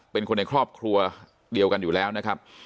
เป็นคนในครอบครัวเดียวกันอยู่แล้วนะครับ